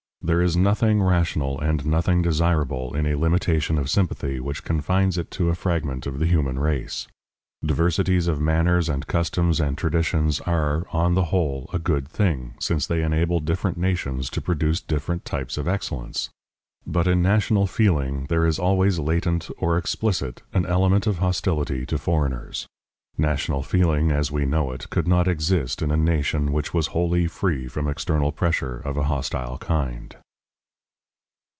There is nothing rational and nothing desirable in a limitation of sympathy which confines it to a fragment of the human race. Diversities of manners and customs and traditions are, on the whole, a good thing, since they enable different nations to produce different types of excellence. But in national feeling there is always latent or explicit an element of hostility to foreigners. National feeling, as we know it, could not exist in a nation which was wholly free from external pressure of a hostile kind.